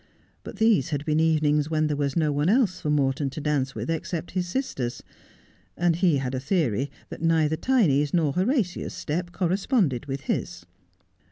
But these had been evenings when there was no one else for Morton to dance with except his sisters ; and he had a theory that neither Tiny's nor Horatia's step corre sponded with his.